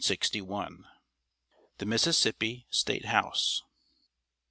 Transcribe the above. [Sidenote: THE MISSISSIPPI STATE HOUSE.